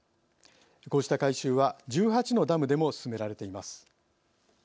こうした改修は１８のダムでも進められています。